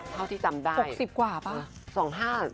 เท่าที่จำได้๖๐กว่าป่ะ